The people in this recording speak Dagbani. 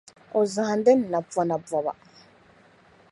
o zahindi n napɔna bɔba.